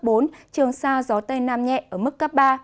trường sa gió tây nam nhẹ ở mức cấp ba